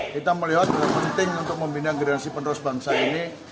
kita melihat bahwa penting untuk membina generasi penerus bangsa ini